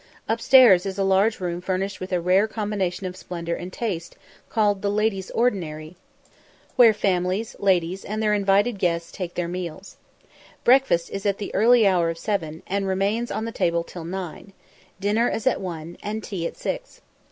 Upstairs is a large room furnished with a rare combination of splendour and taste, called "The Ladies' Ordinary," where families, ladies, and their invited guests take their meals. Breakfast is at the early hour of seven, and remains on the table till nine; dinner is at one, and tea at six.